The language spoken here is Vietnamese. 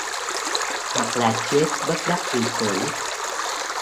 Hoặc là chết bất đắc kỳ tử